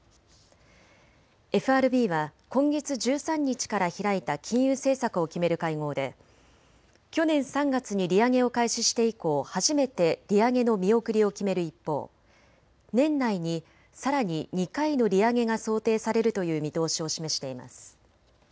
ＦＲＢは今月１３日から開いた金融政策を決める会合で去年３月に利上げを開始して以降、初めて利上げの見送りを決める一方、年内にさらに２回の利上げが想定されるという見通しを示しています。